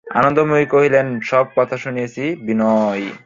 আনন্দময়ী কহিলেন, সব কথা শুনেছি বিনয়!